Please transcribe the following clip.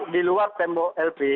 di luar tembok lp